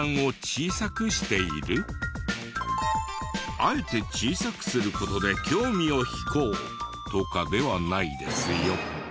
あえて小さくする事で興味を引こうとかではないですよ。